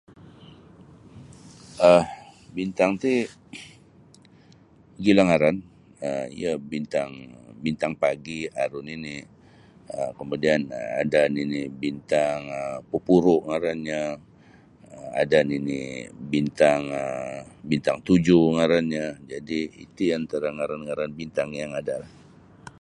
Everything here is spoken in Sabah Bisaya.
um bintang ti mogilo ngaran um iyo bintang bintang pagi' aru nini' um kemudian ada nini' bintang um popuru' ngarannyo um ada nini' bintang um bintang tujuh ngarannyo jadi' iti antara ngaran-ngaran bintang yang ada'.